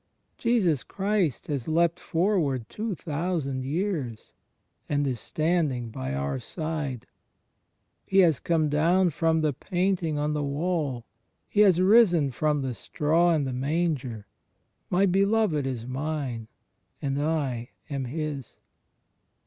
Jesus Christ has leapt forward two thousand years, and is standing by our side; He has come down from the painting on the wall; He has risen from the straw in the manger — My Beloved is mine and I am His.